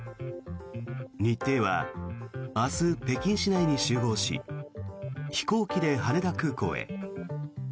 日程は明日、北京市内に集合し飛行機で羽田空港へ。